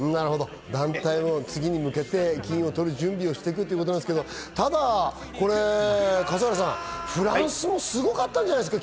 団体も次に向けて金を取る準備をしていくということですが、ただ、フランスもすごかったんじゃないんですか？